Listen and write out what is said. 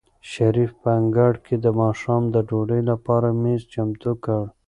شریف په انګړ کې د ماښام د ډوډۍ لپاره مېز چمتو کړ.